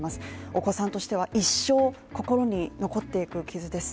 お子さんとしては一生、心に残っていく傷です。